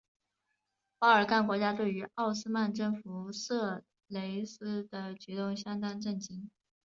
巴尔干国家对于奥斯曼征服色雷斯的举动相当震惊。